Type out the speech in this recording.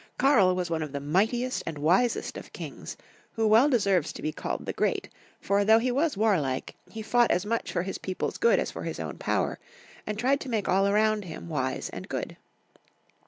Karl was one of the mightiest and wisest of kings, who well deserves to be called the Great, for though he was warlike, he fought as much for his people's good as for liis own power, and tried to make all around him wise and good.